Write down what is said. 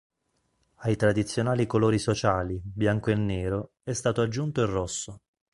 Ai tradizionali colori sociali, bianco e nero, è stato aggiunto il rosso.